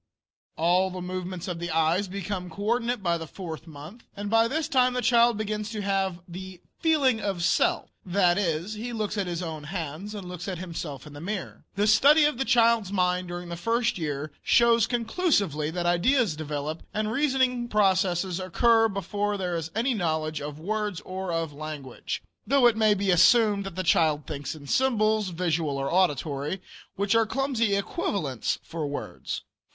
All the movements of the eyes become co ordinate by the fourth month, and by this time the child begins to have the "feeling of self," that is, he looks at his own hands and looks at himself in the mirror. The study of the child's mind during the first year shows conclusively that ideas develop and reasoning processes occur before there is any knowledge of words or of language; though it may be assumed that the child thinks in symbols, visual or auditory, which are clumsy equivalents for words.